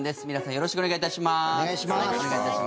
よろしくお願いします。